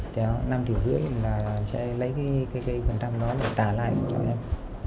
theo năm triệu rưỡi là sẽ lấy cái phần trăm đó để trả lại cho em